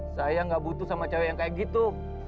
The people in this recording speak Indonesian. saya nggak butuh sama cewek yang kayak gitu